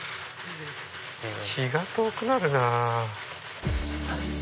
気が遠くなるなぁ。